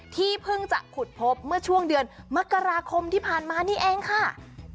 ที่เพิ่งจะขุดพบเมื่อช่วงเดือนมกราคมที่ผ่านมานี่เองค่ะ